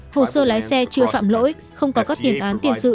hồ sơ lái xe chưa phạm lỗi không có các tiền án tiền sự